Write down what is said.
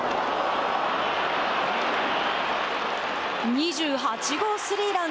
２８号スリーラン。